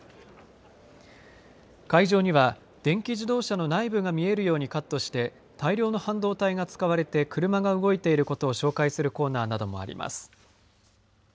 会場には電気自動車の内部が見えるようにカットして大量の半導体が使われて車が動いていることを紹介するコーナーなどもあります。